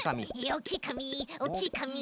おっきいかみおっきいかみ。